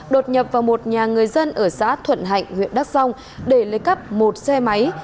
đột nhập vào một nhà người dân ở xã thuận hạnh huyện đắk rông để lấy cắp một xe máy